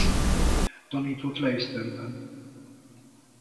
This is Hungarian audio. Tanított Leicesterben.